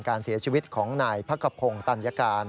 การเสียชีวิตของนายพระคับครงตัญญาการ